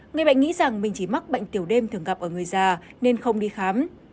người bệnh nghĩ rằng mình chỉ mắc bệnh tiểu đêm thường gặp ở người già nên không đi khám